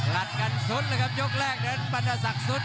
ลัดกันสุดนะครับยกแรกนั้นปันธศักดิ์สุด